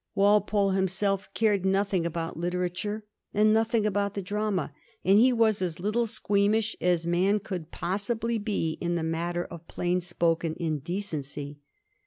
Walpole himself cared nothing about literature, and nothing about the drama; and he was as little squeamish as man could possibly be in the matter of plain spoken indecency.